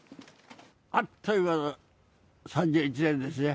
あっという間の３１年ですね。